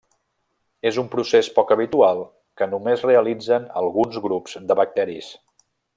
És un procés poc habitual que només realitzen alguns grups de bacteris.